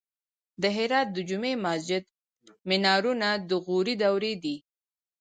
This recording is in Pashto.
د هرات د جمعې مسجد مینارونه د غوري دورې دي